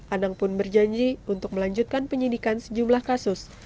anang pun berjanji untuk melanjutkan penyidikan sejumlah kasus